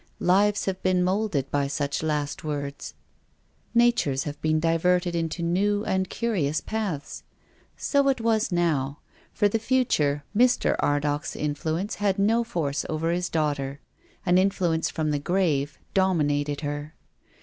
Lives have been moulded by such last words. Natures have been diverted into new and curious paths. So it was now. For the future Mr. Ardagh's influence had no force over his daughter. An influence from the grave dom inated her.